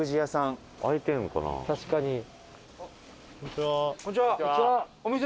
確かに。